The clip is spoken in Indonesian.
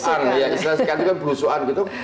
istilahnya sekarang itu kan blusuan gitu